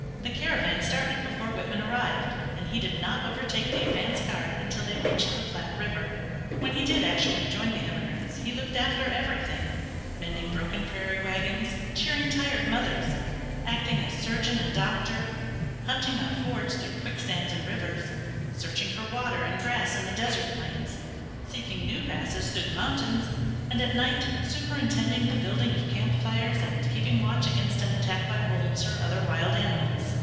The caravan started before Whitman arrived, and he did not overtake the advance guard until they had reached the Platte River. When he did actually join the emigrants he looked after everything, mending broken prairie wagons, cheering tired mothers, acting as surgeon and doctor, hunting out fords through quicksands and rivers, searching for water and grass in the desert plains, seeking new passes through the mountains, and at night superintending the building of camp fires and keeping watch against an attack by wolves or other wild animals.